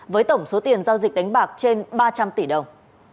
với tổng số tiền giao dịch đánh bạc trên ba trăm linh tỷ đồng